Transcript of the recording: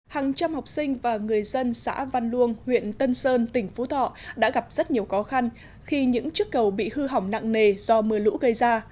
hàng trăm học sinh và người dân xã văn luông huyện tân sơn tỉnh phú thọ đã gặp rất nhiều khó khăn khi những chiếc cầu bị hư hỏng nặng nề do mưa lũ gây ra